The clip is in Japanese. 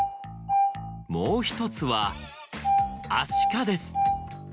もう１つは「アシカ」です